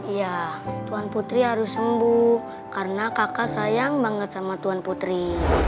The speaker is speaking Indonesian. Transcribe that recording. ya tuhan putri harus sembuh karena kakak sayang banget sama tuan putri